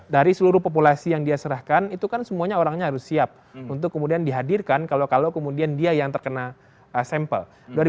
dari seluruh populasi yang dia serahkan itu kan semuanya orangnya harus siap untuk kemudian dihadirkan kalau kalau kemudian dia yang terkena sampel